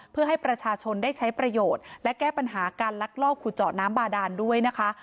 เพื่อให้ประชาชนได้ใช้ประโยชน์และแก้ปัญหาการลักลอบขุดเจาะน้ำบาดานด้วยนะคะ